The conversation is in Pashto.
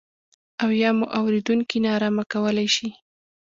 او یا مو اورېدونکي نا ارامه کولای شي.